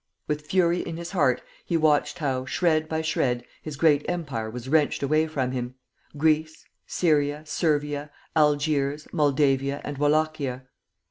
With fury in his heart he watched how, shred by shred, his great empire was wrenched away from him, Greece, Syria, Servia, Algiers, Moldavia, and Wallachia.